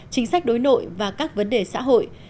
chính sách đối nội và các vấn đề xã hội